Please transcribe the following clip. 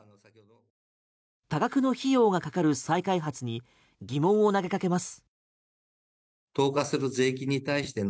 多額の費用がかかる再開発に疑問を投げかけます。